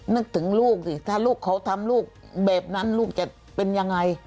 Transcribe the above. นึกถึงลูกสิถ้าลูกเขาทำลูกแบบนั้นลูกจะเป็นยังไง